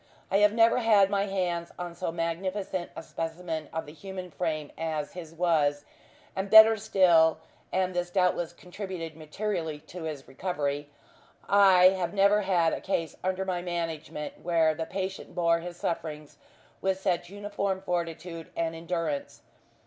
I have never had my hands on so magnificent a specimen of the human frame as his was; and better still and this doubtless contributed materially to his recovery I have never had a case under my management where the patient bore his sufferings with such uniform fortitude and endurance.